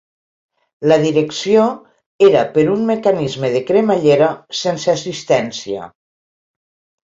La direcció era per un mecanisme de cremallera sense assistència.